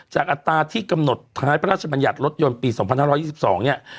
อัตราที่กำหนดท้ายพระราชบัญญัติรถยนต์ปี๒๕๒๒เนี่ย